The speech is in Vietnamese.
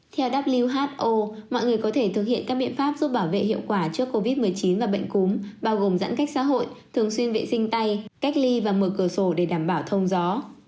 theo who mọi người có thể thực hiện các biện pháp giúp bảo vệ hiệu quả trước covid một mươi chín và bệnh cúm bao gồm giãn cách xã hội thường xuyên vệ sinh tay cách ly và mở cửa sổ để đảm bảo thông gió